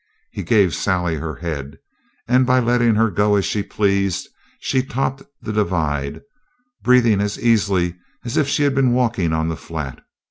He gave Sally her head, and by letting her go as she pleased she topped the divide, breathing as easily as if she had been walking on the flat.